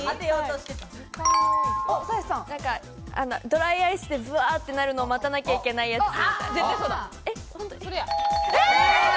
ドライアイスでバッてなるのを待たなきゃいけないやつ。